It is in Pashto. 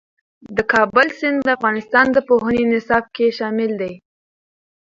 د کابل سیند د افغانستان د پوهنې نصاب کې شامل دی.